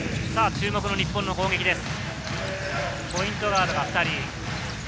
注目の日本の攻撃です。